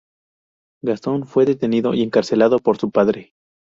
Gastón fue detenido y encarcelado por su padre.